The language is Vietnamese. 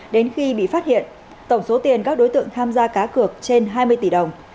đến khi bị phát hiện tổng số tiền các đối tượng tham gia cá cược trên hai mươi tỷ đồng